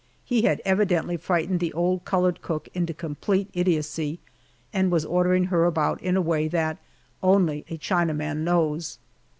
He had evidently frightened the old colored cook into complete idiocy, and was ordering her about in a way that only a Chinaman knows.